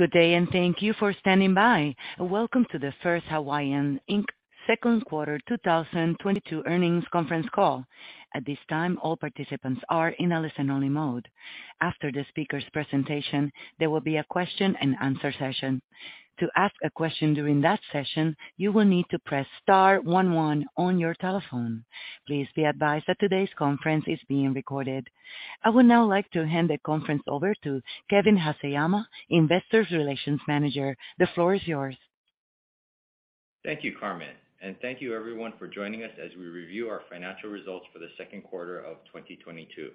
Good day and thank you for standing by. Welcome to the First Hawaiian, Inc. Second Quarter 2022 earnings conference call. At this time, all participants are in a listen-only mode. After the speaker's presentation, there will be a question-and-answer session. To ask a question during that session, you will need to press star one one on your telephone. Please be advised that today's conference is being recorded. I would now like to hand the conference over to Kevin Haseyama, Investor Relations Manager. The floor is yours. Thank you, Carmen, and thank you everyone for joining us as we review our financial results for the second quarter of 2022.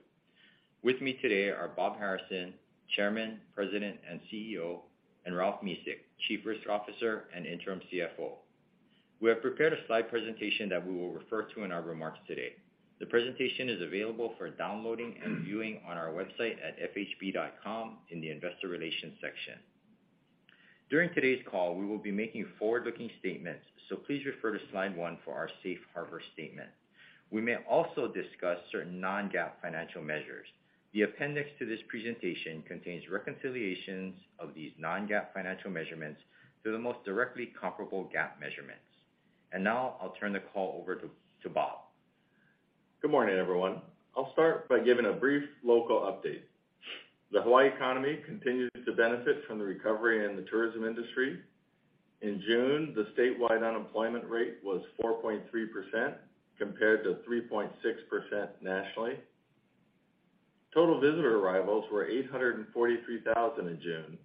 With me today are Bob Harrison, Chairman, President, and CEO, and Ralph Mesick, Chief Risk Officer and Interim CFO. We have prepared a slide presentation that we will refer to in our remarks today. The presentation is available for downloading and viewing on our website at fhb.com in the investor relations section. During today's call, we will be making forward-looking statements, so please refer to slide one for our safe harbor statement. We may also discuss certain non-GAAP financial measures. The appendix to this presentation contains reconciliations of these non-GAAP financial measurements to the most directly comparable GAAP measurements. Now I'll turn the call over to Bob. Good morning, everyone. I'll start by giving a brief local update. The Hawaiʻi economy continues to benefit from the recovery in the tourism industry. In June, the statewide unemployment rate was 4.3% compared to 3.6% nationally. Total visitor arrivals were 843,000 in June,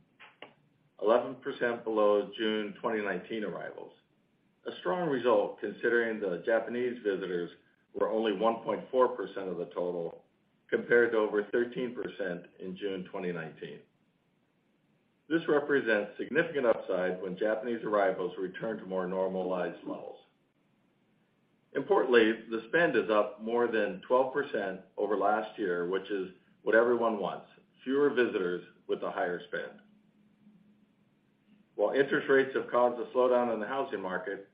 11% below June 2019 arrivals. A strong result considering the Japanese visitors were only 1.4% of the total, compared to over 13% in June 2019. This represents significant upside when Japanese arrivals return to more normalized levels. Importantly, the spend is up more than 12% over last year, which is what everyone wants, fewer visitors with a higher spend. While interest rates have caused a slowdown in the housing market,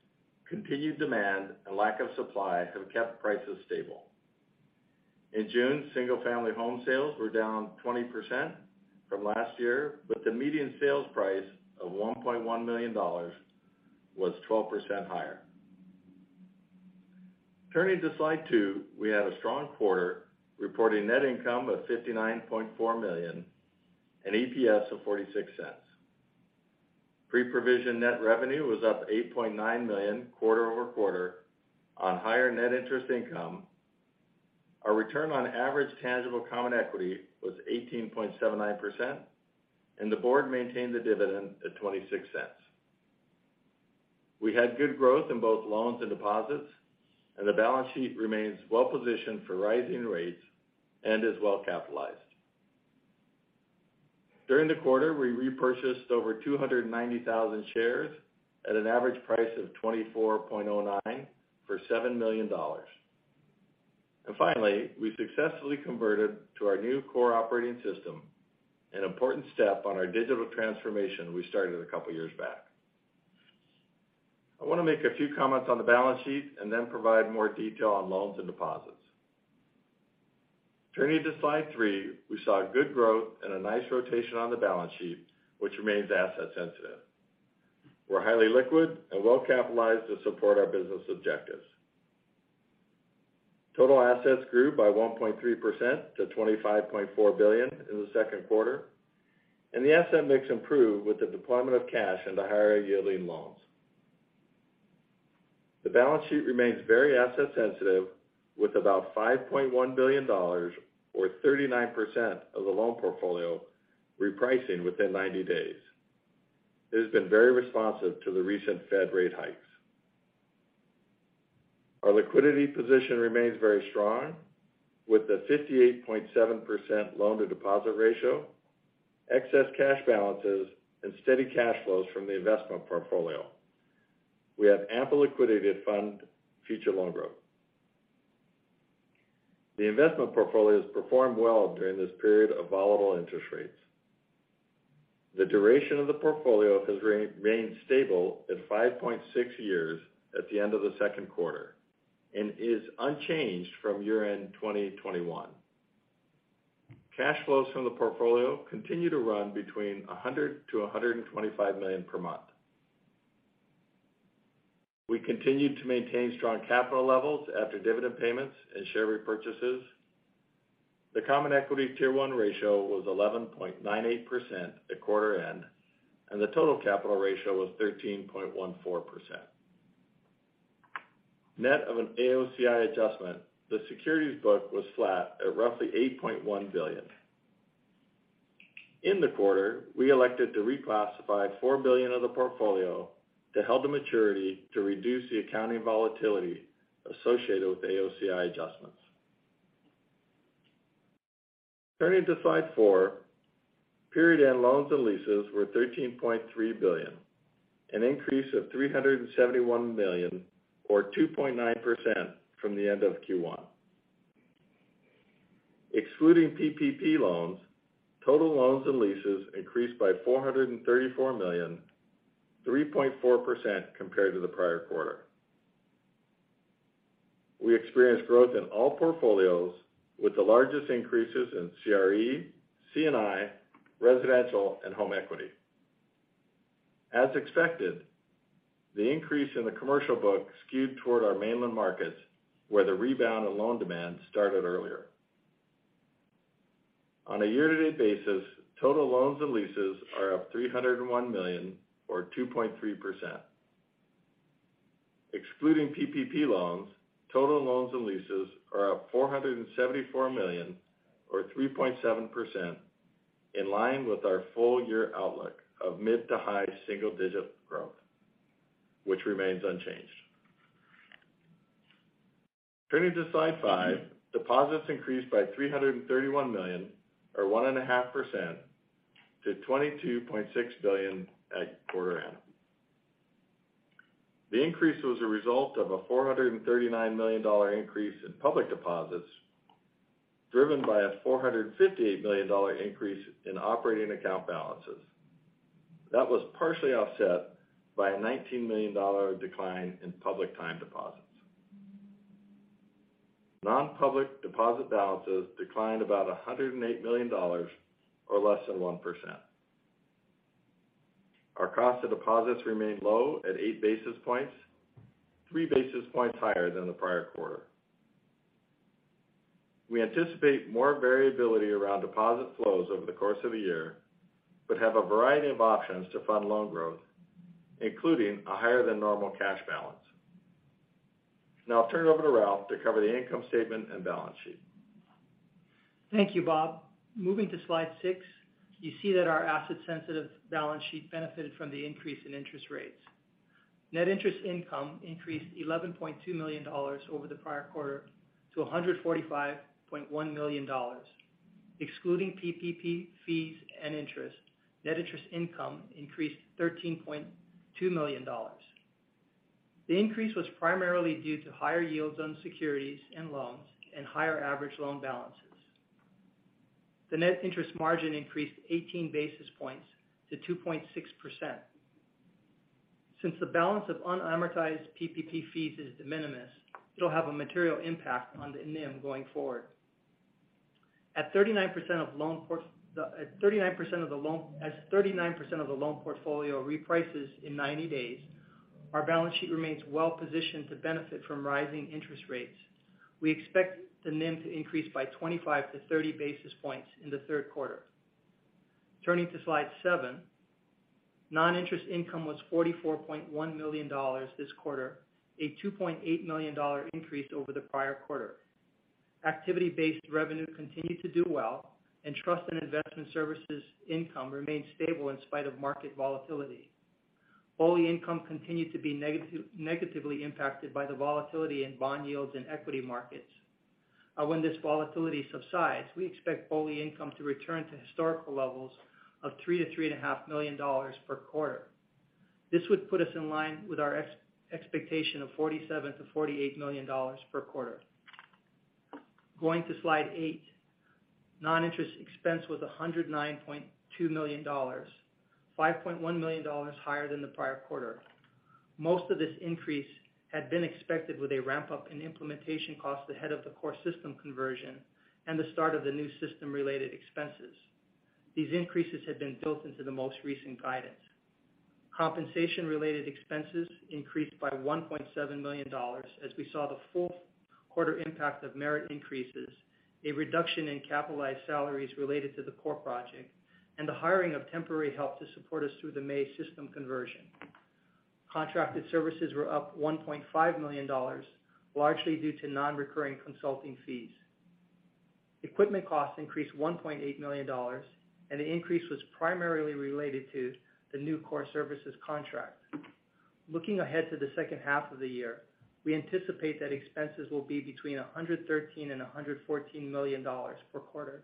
continued demand and lack of supply have kept prices stable. In June, single-family home sales were down 20% from last year, but the median sales price of $1.1 million was 12% higher. Turning to slide two, we had a strong quarter, reporting net income of $59.4 million and EPS of $0.46. Pre-provision net revenue was up $8.9 million quarter-over-quarter on higher net interest income. Our return on average tangible common equity was 18.79%, and the board maintained the dividend at $0.26. We had good growth in both loans and deposits, and the balance sheet remains well positioned for rising rates and is well capitalized. During the quarter, we repurchased over 290,000 shares at an average price of $24.09 for $7 million. Finally, we successfully converted to our new core operating system, an important step on our digital transformation we started a couple years back. I want to make a few comments on the balance sheet and then provide more detail on loans and deposits. Turning to slide three, we saw good growth and a nice rotation on the balance sheet, which remains asset sensitive. We're highly liquid and well capitalized to support our business objectives. Total assets grew by 1.3% to $25.4 billion in the second quarter, and the asset mix improved with the deployment of cash into higher yielding loans. The balance sheet remains very asset sensitive with about $5.1 billion or 39% of the loan portfolio repricing within 90 days. It has been very responsive to the recent Fed rate hikes. Our liquidity position remains very strong with the 58.7% loan to deposit ratio, excess cash balances, and steady cash flows from the investment portfolio. We have ample liquidity to fund future loan growth. The investment portfolio has performed well during this period of volatile interest rates. The duration of the portfolio has remained stable at 5.6 years at the end of the second quarter and is unchanged from year-end 2021. Cash flows from the portfolio continue to run between $100 million-$125 million per month. We continued to maintain strong capital levels after dividend payments and share repurchases. The common equity tier one ratio was 11.98% at quarter end, and the total capital ratio was 13.14%. Net of an AOCI adjustment, the securities book was flat at roughly $8.1 billion. In the quarter, we elected to reclassify $4 billion of the portfolio to held to maturity to reduce the accounting volatility associated with AOCI adjustments. Turning to slide four, period-end loans and leases were $13.3 billion, an increase of $371 million or 2.9% from the end of Q1. Excluding PPP loans, total loans and leases increased by $434 million, 3.4% compared to the prior quarter. We experienced growth in all portfolios, with the largest increases in CRE, C&I, residential, and home equity. As expected, the increase in the commercial book skewed toward our mainland markets, where the rebound of loan demand started earlier. On a year-to-date basis, total loans and leases are up $301 million or 2.3%. Excluding PPP loans, total loans and leases are up $474 million or 3.7%, in line with our full year outlook of mid to high single digit growth, which remains unchanged. Turning to slide five. Deposits increased by $331 million or 1.5% to $22.6 billion at quarter end. The increase was a result of a $439 million increase in public deposits, driven by a $458 million increase in operating account balances. That was partially offset by a $19 million decline in public time deposits. Non-public deposit balances declined about $108 million or less than 1%. Our cost of deposits remained low at eight basis points, three basis points higher than the prior quarter. We anticipate more variability around deposit flows over the course of the year but have a variety of options to fund loan growth, including a higher-than-normal cash balance. Now I'll turn it over to Ralph to cover the income statement and balance sheet. Thank you, Bob. Moving to slide six, you see that our asset sensitive balance sheet benefited from the increase in interest rates. Net interest income increased $11.2 million over the prior quarter to $145.1 million. Excluding PPP fees and interest, net interest income increased $13.2 million. The increase was primarily due to higher yields on securities and loans and higher average loan balances. The net interest margin increased 18 basis points to 2.6%. Since the balance of unamortized PPP fees is de minimis, it won't have a material impact on the NIM going forward. As 39% of the loan portfolio reprices in 90 days, our balance sheet remains well positioned to benefit from rising interest rates. We expect the NIM to increase by 25-30 basis points in the third quarter. Turning to slide seven. Non-interest income was $44.1 million this quarter, a $2.8 million increase over the prior quarter. Activity-based revenue continued to do well, and trust and investment services income remained stable in spite of market volatility. BOLI income continued to be negatively impacted by the volatility in bond yields and equity markets. When this volatility subsides, we expect BOLI income to return to historical levels of $3 million-$3.5 million per quarter. This would put us in line with our expectation of $47 million-$48 million per quarter. Going to slide eight. Non-interest expense was $109.2 million, $5.1 million higher than the prior quarter. Most of this increase had been expected with a ramp up in implementation costs ahead of the core system conversion and the start of the new system related expenses. These increases had been built into the most recent guidance. Compensation related expenses increased by $1.7 million as we saw the full quarter impact of merit increases, a reduction in capitalized salaries related to the core project, and the hiring of temporary help to support us through the May system conversion. Contracted services were up $1.5 million, largely due to non-recurring consulting fees. Equipment costs increased $1.8 million, and the increase was primarily related to the new core services contract. Looking ahead to the second half of the year, we anticipate that expenses will be between $113 million and $114 million per quarter,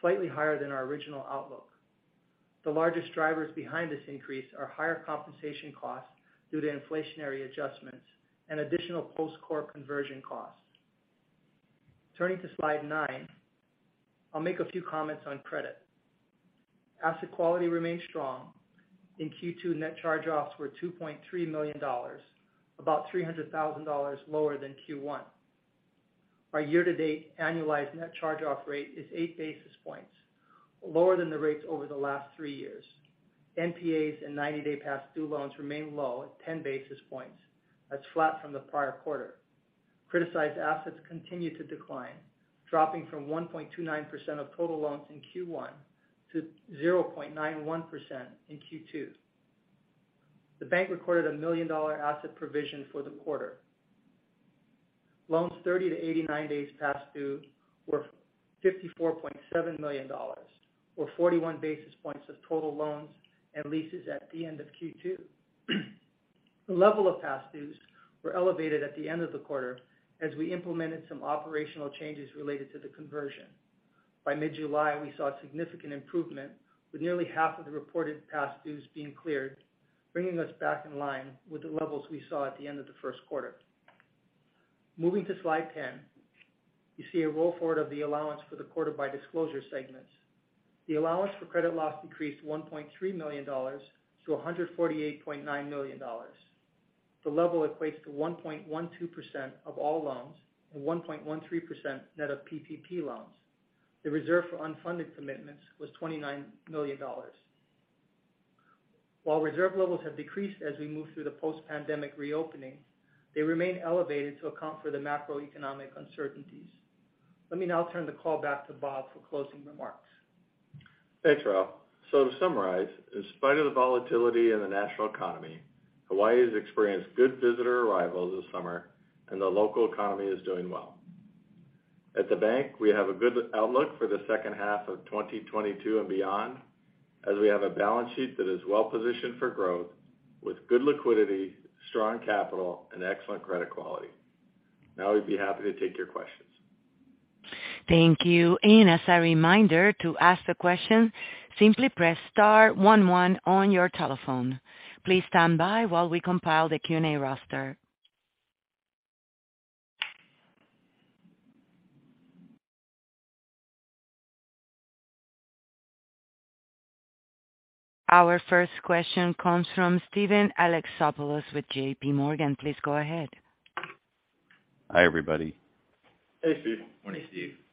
slightly higher than our original outlook. The largest drivers behind this increase are higher compensation costs due to inflationary adjustments and additional post-core conversion costs. Turning to slide nine. I'll make a few comments on credit. Asset quality remained strong. In Q2, net charge-offs were $2.3 million, about $300,000 lower than Q1. Our year-to-date annualized net charge-off rate is eight basis points, lower than the rates over the last three years. NPAs and 90-day past due loans remain low at 10 basis points. That's flat from the prior quarter. Criticized assets continued to decline, dropping from 1.29% of total loans in Q1 to 0.91% in Q2. The bank recorded a million-dollar asset provision for the quarter. Loans 30-89 days past due were $54.7 million or 41 basis points of total loans and leases at the end of Q2. The level of past dues were elevated at the end of the quarter as we implemented some operational changes related to the conversion. By mid-July, we saw significant improvement with nearly half of the reported past dues being cleared, bringing us back in line with the levels we saw at the end of the first quarter. Moving to slide 10. You see a roll forward of the allowance for the quarter by disclosure segments. The allowance for credit loss decreased $1.3 million-$148.9 million. The level equates to 1.12% of all loans and 1.13% net of PPP loans. The reserve for unfunded commitments was $29 million. While reserve levels have decreased as we move through the post-pandemic reopening, they remain elevated to account for the macroeconomic uncertainties. Let me now turn the call back to Bob for closing remarks. Thanks, Ralph. To summarize, in spite of the volatility in the national economy, Hawaiʻi has experienced good visitor arrivals this summer, and the local economy is doing well. At the bank, we have a good outlook for the second half of 2022 and beyond, as we have a balance sheet that is well positioned for growth with good liquidity, strong capital, and excellent credit quality. Now we'd be happy to take your questions. Thank you. As a reminder to ask the question, simply press star one one on your telephone. Please stand by while we compile the Q&A roster. Our first question comes from Steven Alexopoulos with JPMorgan. Please go ahead. Hi, everybody. Hey, Steven. Morning, Steven. I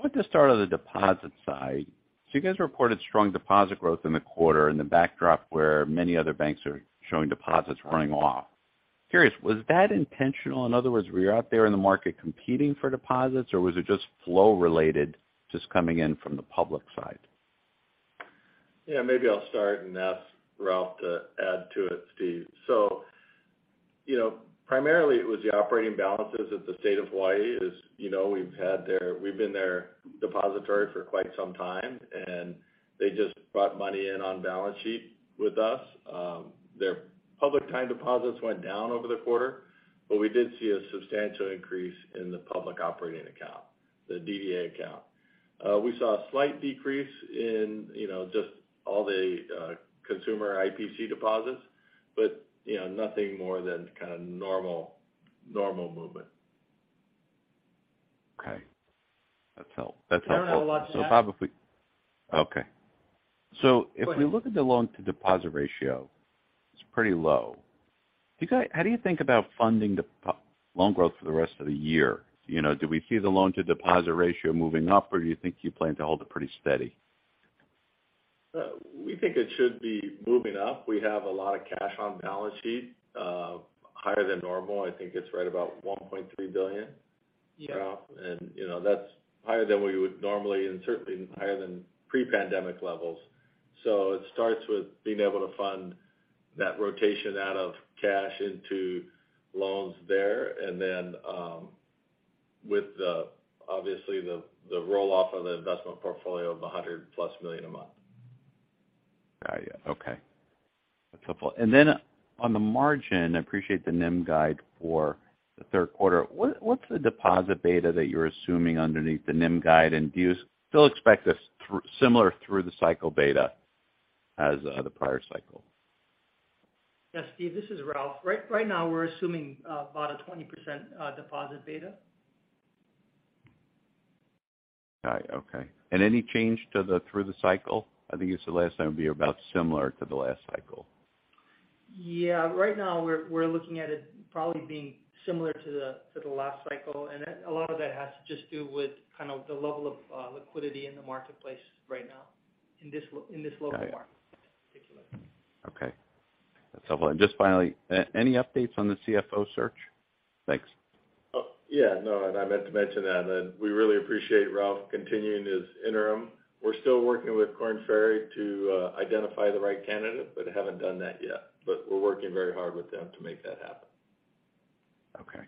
want to start on the deposit side. You guys reported strong deposit growth in the quarter in the backdrop where many other banks are showing deposits running off. Curious, was that intentional? In other words, were you out there in the market competing for deposits, or was it just flow related just coming in from the public side? Yeah, maybe I'll start and ask Ralph to add to it, Steven. You know, primarily it was the operating balances at the State of Hawaiʻi. As you know, we've been their depository for quite some time, and they just brought money in on balance sheet with us. Their public time deposits went down over the quarter, but we did see a substantial increase in the public operating account, the DDA account. We saw a slight decrease in you know just all the consumer IPC deposits, but you know nothing more than kind of normal movement. Okay. That's helpful. I don't have a lot to add. Okay. Go ahead. If we look at the loan to deposit ratio, it's pretty low. How do you think about funding deposit loan growth for the rest of the year? You know, do we see the loan to deposit ratio moving up, or do you think you plan to hold it pretty steady? We think it should be moving up. We have a lot of cash on balance sheet, higher than normal. I think it's right about $1.3 billion. Yeah. You know, that's higher than we would normally and certainly higher than pre-pandemic levels. It starts with being able to fund that rotation out of cash into loans there. With obviously the roll off of the investment portfolio of $100+ million a month. Got you. Okay. That's helpful. Then on the margin, I appreciate the NIM guide for the third quarter. What's the deposit beta that you're assuming underneath the NIM guide? Do you still expect this similar through the cycle beta as the prior cycle? Yeah, Steve, this is Ralph. Right, right now we're assuming about a 20% deposit beta. Got it. Okay. Any change to the through the cycle? I think you said last time it'd be about similar to the last cycle. Yeah. Right now we're looking at it probably being similar to the last cycle. A lot of that has to just do with kind of the level of liquidity in the marketplace right now in this local market particularly. Got it. Okay. That's helpful. Just finally, any updates on the CFO search? Thanks. Oh, yeah. No, I meant to mention that. We really appreciate Ralph continuing his interim. We're still working with Korn Ferry to identify the right candidate, but haven't done that yet. We're working very hard with them to make that happen. Okay.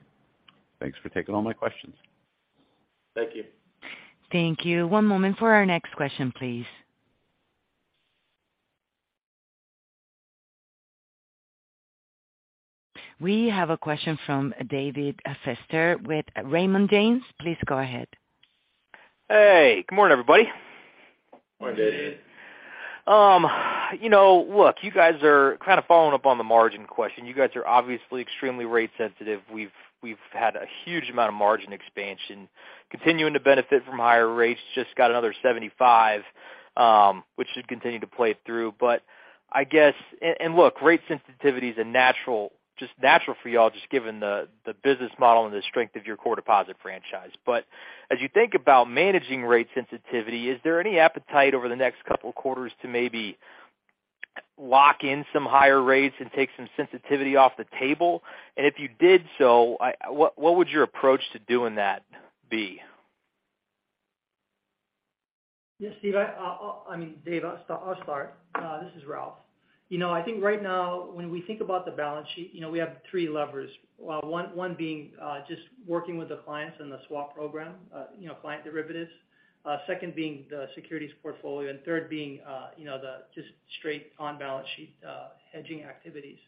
Thanks for taking all my questions. Thank you. Thank you. One moment for our next question, please. We have a question from David Feaster with Raymond James. Please go ahead. Hey, good morning, everybody. Morning, David. Morning. You know, look, you guys are kind of following up on the margin question. You guys are obviously extremely rate sensitive. We've had a huge amount of margin expansion continuing to benefit from higher rates, just got another 75, which should continue to play through. I guess and look, rate sensitivity is a natural, just natural for y'all, just given the business model and the strength of your core deposit franchise. As you think about managing rate sensitivity, is there any appetite over the next couple of quarters to maybe lock in some higher rates and take some sensitivity off the table? If you did so, what would your approach to doing that be? Yeah, Steven. I mean, David, I'll start. This is Ralph. You know, I think right now when we think about the balance sheet, you know, we have three levers. One being just working with the clients in the swap program, you know, client derivatives. Second being the securities portfolio, and third being, you know, the just straight on balance sheet hedging activities.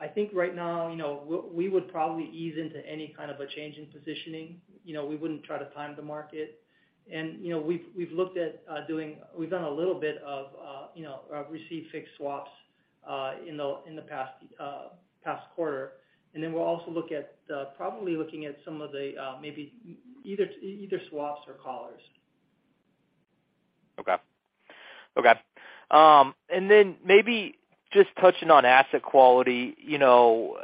I think right now, you know, we would probably ease into any kind of a change in positioning. You know, we wouldn't try to time the market. You know, we've looked at, we've done a little bit of, you know, received fixed swaps in the past quarter. We'll also look at probably looking at some of the maybe either swaps or collars. Okay. Maybe just touching on asset quality. You know,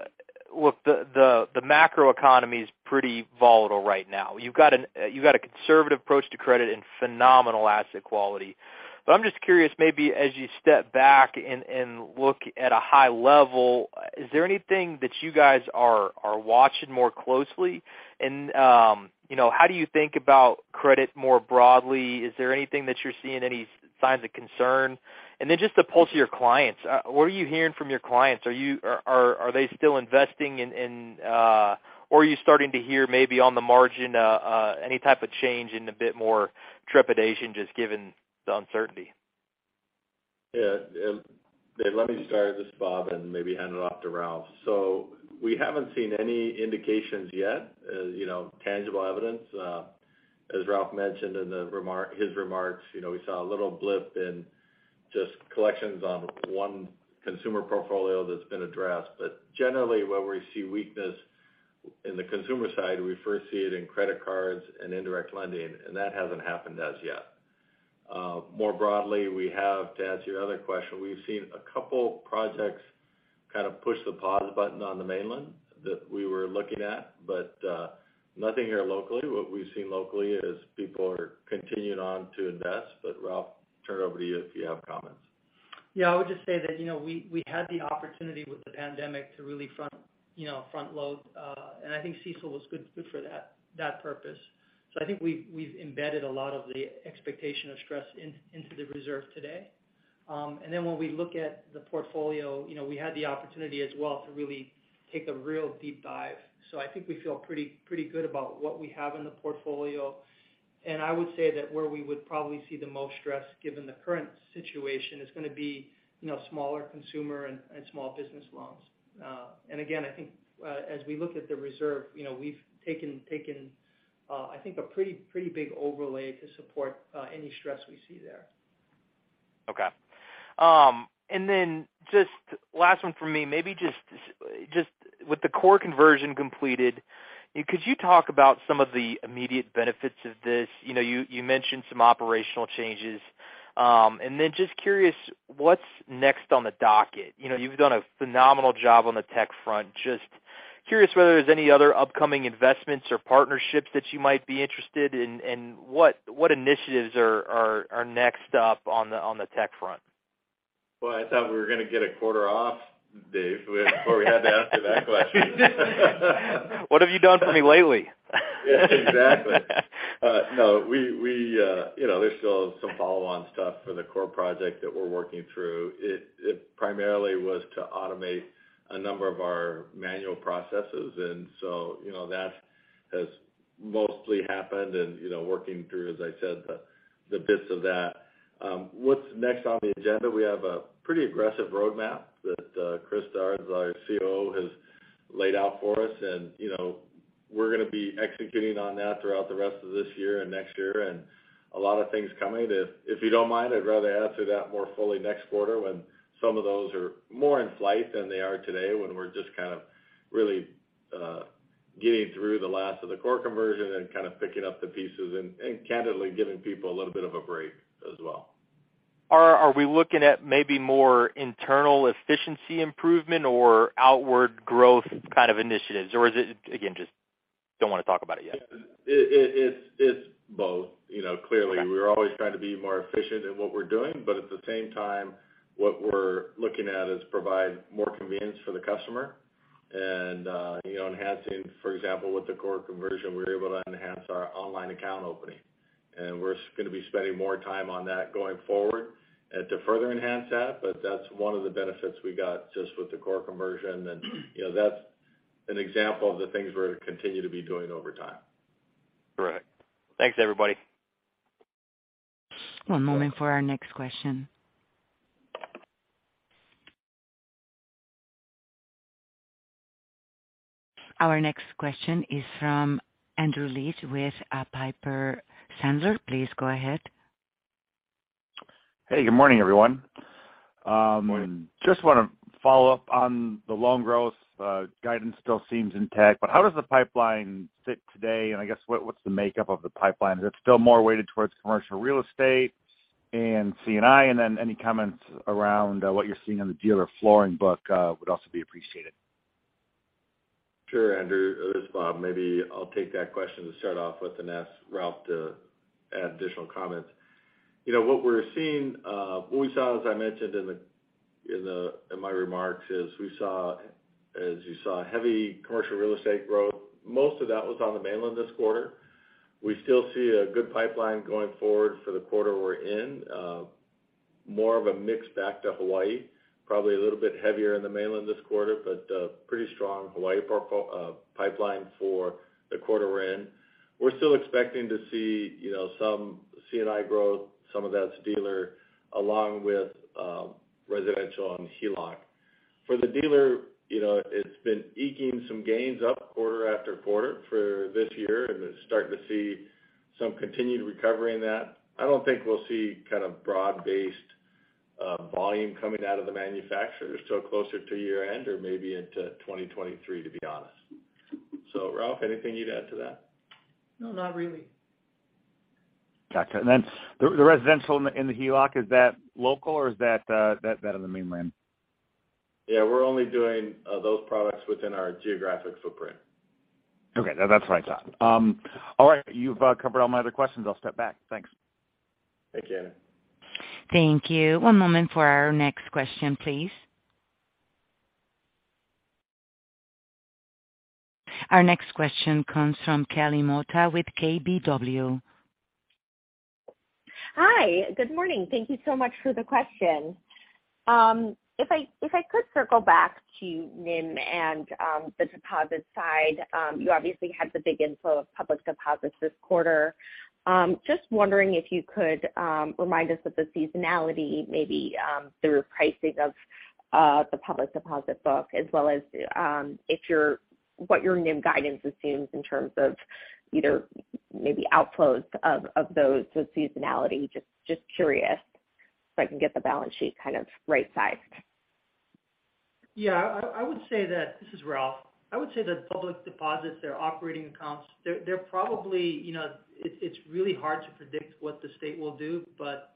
look, the macro economy is pretty volatile right now. You've got a conservative approach to credit and phenomenal asset quality. But I'm just curious, maybe as you step back and look at a high level, is there anything that you guys are watching more closely? You know, how do you think about credit more broadly? Is there anything that you're seeing, any signs of concern? Just the pulse of your clients. What are you hearing from your clients? Are they still investing in? Or are you starting to hear maybe on the margin, any type of change in a bit more trepidation, just given the uncertainty? Yeah. David, let me start this, Bob, and maybe hand it off to Ralph. We haven't seen any indications yet, as, you know, tangible evidence. As Ralph mentioned in his remarks, you know, we saw a little blip in just collections on one consumer portfolio that's been addressed. Generally, where we see weakness in the consumer side, we first see it in credit cards and indirect lending, and that hasn't happened as yet. More broadly, we have; to answer your other question, we've seen a couple projects kind of push the pause button on the mainland that we were looking at, but nothing here locally. What we've seen locally is people are continuing on to invest. Ralph, turn it over to you if you have comments. Yeah, I would just say that, you know, we had the opportunity with the pandemic to really front load, and I think CECL was good for that purpose. I think we've embedded a lot of the expectation of stress into the reserve today. When we look at the portfolio, you know, we had the opportunity as well to really take a real deep dive. I think we feel pretty good about what we have in the portfolio. I would say that where we would probably see the most stress given the current situation is gonna be, you know, smaller consumer and small business loans. Again, I think, as we look at the reserve, you know, we've taken I think a pretty big overlay to support any stress we see there. Okay. Just last one for me. Maybe just with the core conversion completed, could you talk about some of the immediate benefits of this? You know, you mentioned some operational changes. Just curious what's next on the docket. You know, you've done a phenomenal job on the tech front. Just curious whether there's any other upcoming investments or partnerships that you might be interested in, and what initiatives are next up on the tech front? Well, I thought we were gonna get a quarter off, Dave. Before we had to answer that question. What have you done for me lately? Yes, exactly. No, we, you know, there's still some follow-on stuff for the core project that we're working through. It primarily was to automate a number of our manual processes, and so, you know, that has mostly happened. You know, working through, as I said, the bits of that. What's next on the agenda? We have a pretty aggressive roadmap that Christopher Dods, our COO, has laid out for us and, you know, we're gonna be executing on that throughout the rest of this year and next year, and a lot of things coming. If you don't mind, I'd rather answer that more fully next quarter when some of those are more in flight than they are today, when we're just kind of really getting through the last of the core conversion and kind of picking up the pieces and candidly giving people a little bit of a break as well. Are we looking at maybe more internal efficiency improvement or outward growth kind of initiatives, or is it again, just don't want to talk about it yet? It's both. You know, clearly. Okay. We're always trying to be more efficient in what we're doing, but at the same time, what we're looking at is provide more convenience for the customer and, you know, enhancing. For example, with the core conversion, we were able to enhance our online account opening, and we're gonna be spending more time on that going forward, to further enhance that. That's one of the benefits we got just with the core conversion. You know, that's an example of the things we're gonna continue to be doing over time. Correct. Thanks, everybody. One moment for our next question. Our next question is from Andrew Liesch with Piper Sandler. Please go ahead. Hey, good morning, everyone. Morning. I just wanna follow up on the loan growth. Guidance still seems intact, but how does the pipeline sit today, and I guess, what's the makeup of the pipeline? Is it still more weighted towards commercial real estate and C&I? Any comments around what you're seeing in the dealer flooring book would also be appreciated. Sure, Andrew. This is Bob. Maybe I'll take that question to start off with and ask Ralph to add additional comments. You know, what we saw, as I mentioned in my remarks, is we saw, as you saw, heavy commercial real estate growth. Most of that was on the mainland this quarter. We still see a good pipeline going forward for the quarter we're in. More of a mix back to Hawaiʻi. Probably a little bit heavier in the mainland this quarter, but pretty strong Hawaiʻi pipeline for the quarter we're in. We're still expecting to see, you know, some C&I growth. Some of that's dealer, along with residential and HELOC. For the dealer, you know, it's been edging some gains up quarter after quarter for this year, and we're starting to see some continued recovery in that. I don't think we'll see kind of broad-based volume coming out of the manufacturers till closer to year-end or maybe into 2023, to be honest. Ralph, anything you'd add to that? No, not really. Got it. The residential in the HELOC, is that local or is that on the mainland? Yeah, we're only doing those products within our geographic footprint. Okay. That's what I thought. All right, you've covered all my other questions. I'll step back. Thanks. Thank you. Thank you. One moment for our next question, please. Our next question comes from Kelly Motta with KBW. Hi. Good morning. Thank you so much for the question. If I could circle back to NIM and the deposit side. You obviously had the big inflow of public deposits this quarter. Just wondering if you could remind us of the seasonality maybe through pricing of the public deposit book, as well as what your NIM guidance assumes in terms of either maybe outflows of those with seasonality. Just curious, so I can get the balance sheet kind of right-sized. Yeah. I would say that. This is Ralph. I would say that public deposits, their operating accounts, they're probably, you know, it's really hard to predict what the State will do, but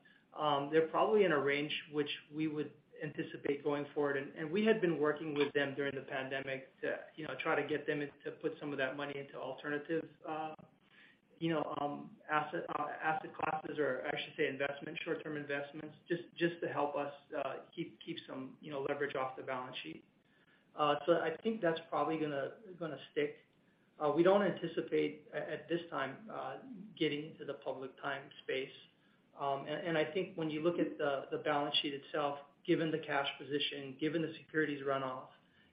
they're probably in a range which we would anticipate going forward. We had been working with them during the pandemic to, you know, try to get them to put some of that money into alternative, you know, asset classes or I should say investment short-term investments, just to help us keep some, you know, leverage off the balance sheet. I think that's probably gonna stick. We don't anticipate at this time getting into the public time space. I think when you look at the balance sheet itself, given the cash position, given the securities runoff,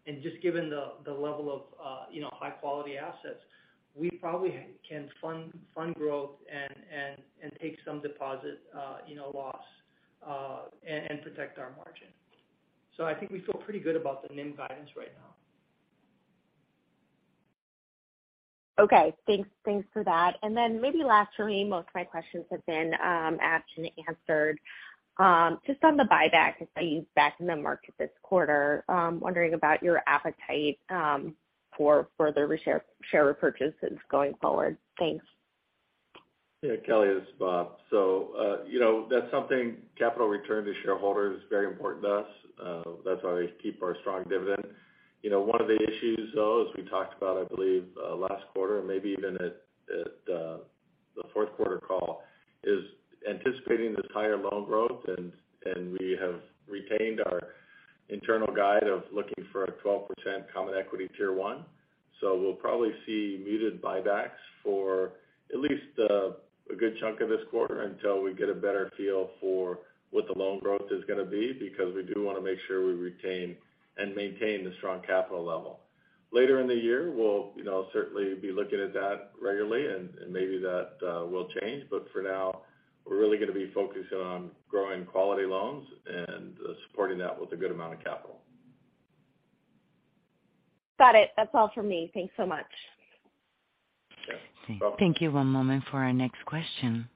and just given the level of, you know, high-quality assets, we probably can fund growth and take some deposit, you know, loss, and protect our margin. I think we feel pretty good about the NIM guidance right now. Okay. Thanks. Thanks for that. Then maybe last for me, most of my questions have been asked and answered. Just on the buyback, I see you back in the market this quarter. Wondering about your appetite for further share repurchases going forward. Thanks. Yeah, Kelly, this is Bob. You know, that's something, capital return to shareholders is very important to us. That's why we keep our strong dividend. You know, one of the issues, though, as we talked about, I believe, last quarter and maybe even at the fourth quarter call, is anticipating this higher loan growth. We have retained our internal guide of looking for a 12% common equity tier one. We'll probably see muted buybacks for at least a good chunk of this quarter until we get a better feel for what the loan growth is gonna be, because we do wanna make sure we retain and maintain the strong capital level. Later in the year, we'll you know, certainly be looking at that regularly and maybe that will change. for now, we're really gonna be focusing on growing quality loans and supporting that with a good amount of capital. Got it. That's all for me. Thanks so much. Okay. Bye. Thank you. One moment for our next question.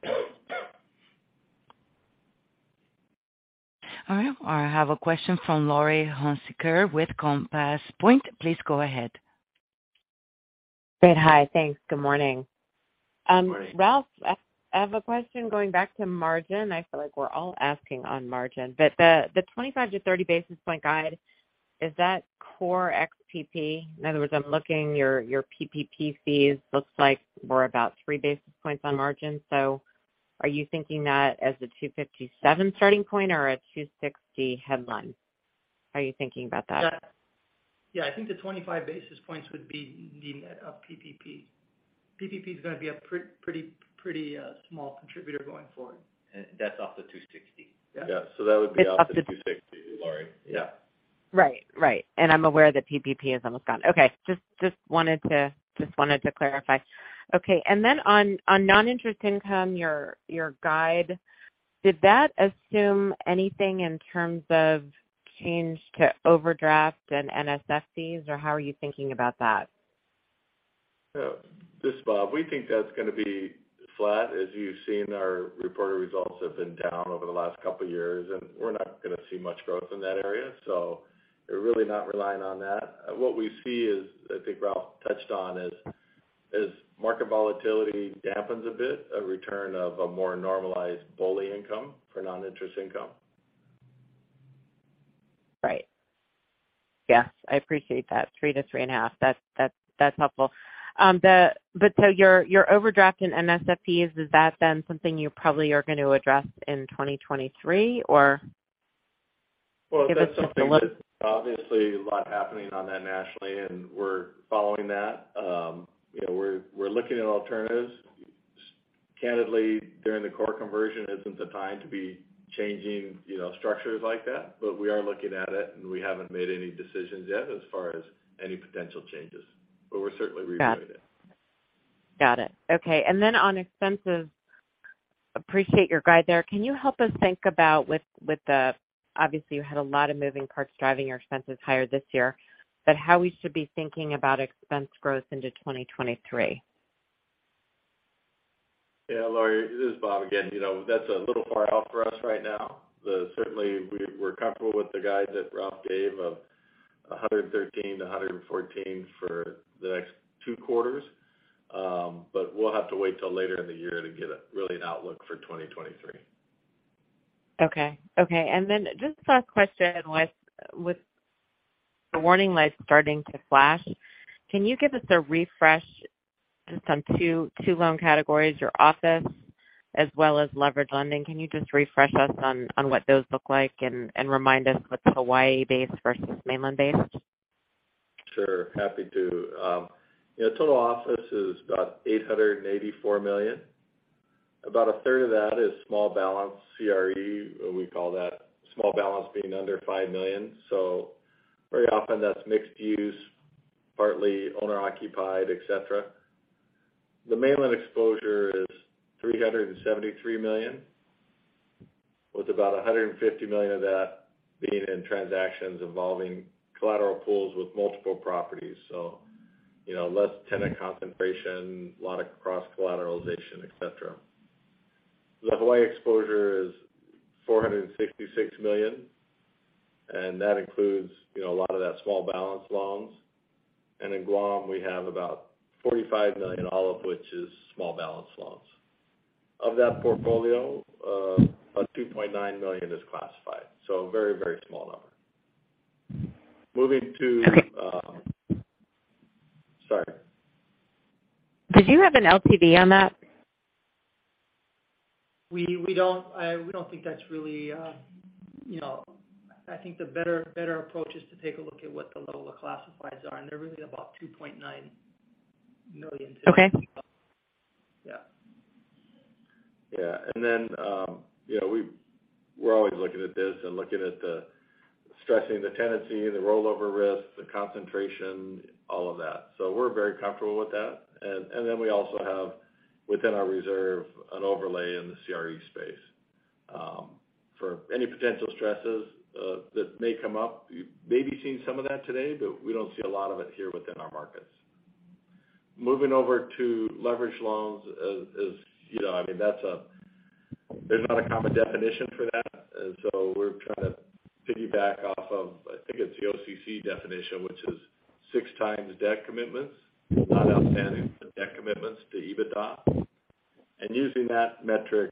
All right, I have a question from Laurie Hunsicker with Compass Point. Please go ahead. Great. Hi. Thanks. Good morning. Good morning. Ralph, I have a question going back to margin. I feel like we're all asking on margin. The 25-30 basis point guide, is that core ex PPP? In other words, I'm looking your PPP fees looks like were about three basis points on margin. Are you thinking that as a 2.57 starting point or a 2.60 headline? How are you thinking about that? Yeah. I think the 25 basis points would be the net of PPP. PPP is gonna be a pretty small contributor going forward. That's off the 260. Yeah. Yeah. That would be off the 260, Laurie. Yeah. Right. I'm aware that PPP is almost gone. Okay. Just wanted to clarify. Okay. On non-interest income, your guide, did that assume anything in terms of change to overdraft and NSF fees? Or how are you thinking about that? This is Bob. We think that's gonna be flat. As you've seen, our reported results have been down over the last couple years, and we're not gonna see much growth in that area, so we're really not relying on that. What we see is, I think Ralph touched on, as market volatility dampens a bit, a return of a more normalized BOLI income for non-interest income. Right. Yes, I appreciate that. 3-3.5. That's helpful. Your overdraft and NSF fees, is that then something you probably are going to address in 2023 or give us just a little? Well, that's something that obviously a lot happening on that nationally, and we're following that. You know, we're looking at alternatives. Candidly, during the core conversion isn't the time to be changing, you know, structures like that. We are looking at it, and we haven't made any decisions yet as far as any potential changes. We're certainly reviewing it. Got it. Okay. Then, on expenses. Appreciate your guidance there. Can you help us think about, obviously, you had a lot of moving parts driving your expenses higher this year, but how we should be thinking about expense growth into 2023. Yeah, Laurie, it is Bob again. You know, that's a little far out for us right now. Certainly we're comfortable with the guide that Ralph gave of 113-114 for the next two quarters. But we'll have to wait till later in the year to get a really an outlook for 2023. Okay. Then just last question. With the warning lights starting to flash, can you give us a refresh just on two loan categories, office as well as leveraged lending? Can you just refresh us on what those look like and remind us what's Hawaii-based versus mainland-based? Sure. Happy to. You know, total office is about $884 million. About a third of that is small balance CRE. We call that small balance being under $5 million. Very often that's mixed use, partly owner occupied, et cetera. The mainland exposure is $373 million, with about $150 million of that being in transactions involving collateral pools with multiple properties. You know, less tenant concentration, a lot of cross collateralization, et cetera. The Hawaiʻi exposure is $466 million, and that includes, you know, a lot of that small balance loans. In Guam we have about $45 million, all of which is small balance loans. Of that portfolio, about $2.9 million is classified, so very, very small number. Okay. Sorry. Did you have an LTV on that? We don't think that's really, you know. I think the better approach is to take a look at what the lower classifieds are, and they're really about $2.9 million. Okay. Yeah. Yeah. Then, you know, we're always looking at this and looking at stressing the tenancy, the rollover risk, the concentration, all of that. We're very comfortable with that. Then we also have within our reserve an overlay in the CRE space for any potential stresses that may come up. You may be seeing some of that today, but we don't see a lot of it here within our markets. Moving over to leverage loans, as you know, I mean, there's not a common definition for that. So, we're trying to piggyback off of, I think it's the OCC definition, which is 6x debt commitments, not outstanding, but debt commitments to EBITDA. Using that metric,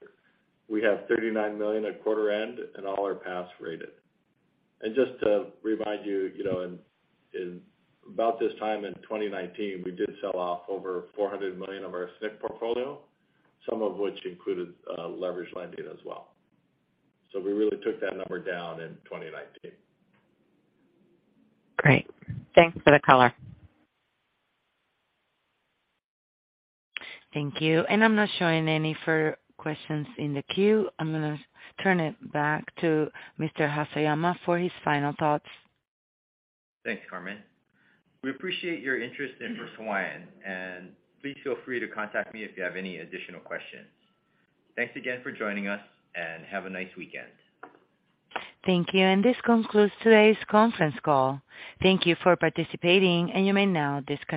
we have $39 million at quarter end, and all are pass rated. Just to remind you know, in about this time in 2019, we did sell off over $400 million of our SNC portfolio, some of which included leverage lending as well. We really took that number down in 2019. Great. Thanks for the color. Thank you. I'm not showing any further questions in the queue. I'm gonna turn it back to Mr. Haseyama for his final thoughts. Thanks, Carmen. We appreciate your interest in First Hawaiian, and please feel free to contact me if you have any additional questions. Thanks again for joining us and have a nice weekend. Thank you. This concludes today's conference call. Thank you for participating and you may now disconnect.